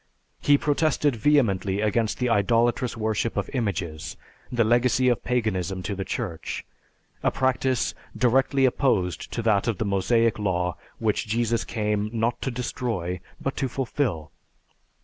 He protested vehemently against the idolatrous worship of images, the legacy of Paganism to the Church, a practice directly opposed to that of the Mosaic law which Jesus came, not to destroy, but to fulfill.